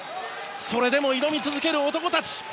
それでも挑み続ける男たち。